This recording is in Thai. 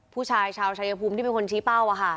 ผู้ชายชาวชายภูมิที่เป็นคนชี้เป้าอะค่ะ